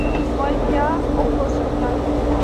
اورکیا ہوسکتاہے؟